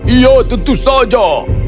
iya tentu saja